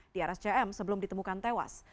di rscm sebelum ditemukan tewas